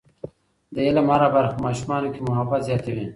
د علم هره برخه په ماشومانو کې محبت زیاتوي.